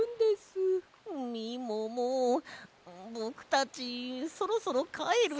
みももぼくたちそろそろかえるよ。